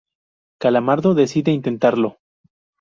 Calamardo decide intentarlo.